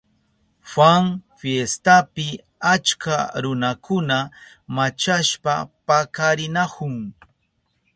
Juan fiestapi achka runakuna machashpa pakarinahun.